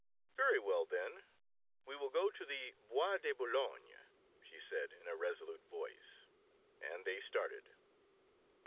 "Very well, then, we will go to the Bois de Boulogne!" she said, in a resolute voice, and they started.